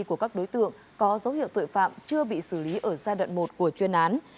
của các đối tượng có dấu hiệu tội phạm chưa bị xử lý ở giai đoạn một của chuyên án